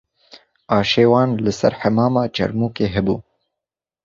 Aşê wan li ser Hemama Çêrmûgê hebû